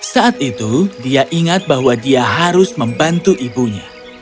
saat itu dia ingat bahwa dia harus membantu ibunya